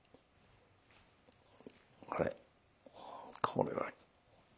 あれこれは。